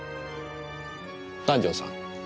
南条さん